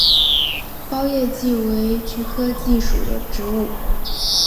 苞叶蓟为菊科蓟属的植物。